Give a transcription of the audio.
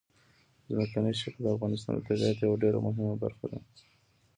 ځمکنی شکل د افغانستان د طبیعت یوه ډېره مهمه برخه ده.